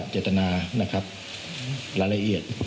เจตนานะครับรายละเอียด